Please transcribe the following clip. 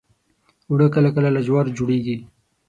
اوړه کله کله له جوارو جوړیږي